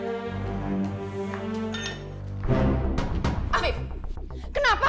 kenapa lo lebih mentingin dompet ini